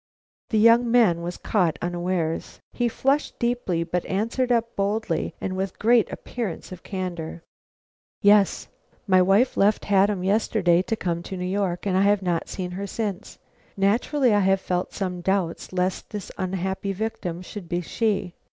The young man was caught unawares. He flushed deeply, but answered up boldly and with great appearance of candor: "Yes; my wife left Haddam yesterday to come to New York, and I have not seen her since. Naturally I have felt some doubts lest this unhappy victim should be she.